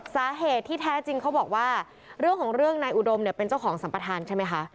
สาเหตุที่แท้จริงเขาบอกว่าเรื่องของเรื่องนายอุดมเนี่ยเป็นเจ้าของสัมปทานใช่ไหมคะ